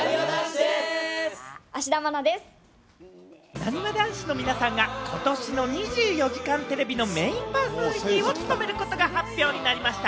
なにわ男子の皆さんが今年の『２４時間テレビ』のメインパーソナリティーを務めることが発表になりました。